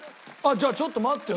じゃあちょっと待ってよ。